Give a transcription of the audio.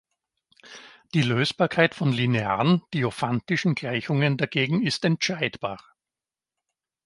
Die Lösbarkeit von linearen diophantischen Gleichungen dagegen ist entscheidbar.